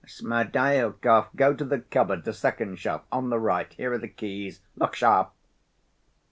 Smerdyakov, go to the cupboard, the second shelf on the right. Here are the keys. Look sharp!"